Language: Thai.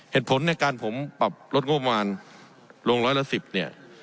เหตุผลในการผมปรับลดงบประมาณลงร้อยละ๑๐เนี่ย